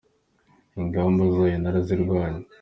Ingamba zayo narazirwanye!